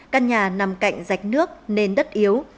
căn nhà nằm cạnh rạch nước nên đất yếu